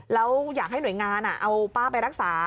แล้วอยากให้หน่วยงานเอาป้าไปรักษา